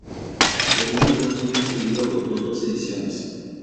En menos de un año este libro agotó dos ediciones.